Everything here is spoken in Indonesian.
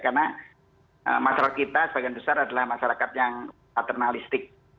karena masyarakat kita sebagian besar adalah masyarakat yang paternalistik